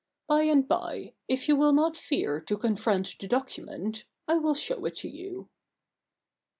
By and by, if you will not fear to confront the document, I will show it to you.'